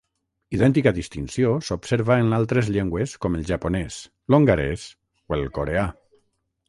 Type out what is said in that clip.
Idèntica distinció s'observa en altres llengües com el japonès, l'hongarès o el coreà.